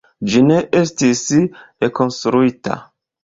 Ĝi ne estis rekonstruita.